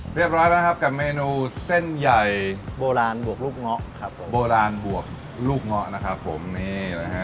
เรียบร้อยแล้วครับกับเมนูเส้นใหญ่โบราณบวกลูกเงาะครับผมโบราณบวกลูกเงาะนะครับผมนี่นะฮะ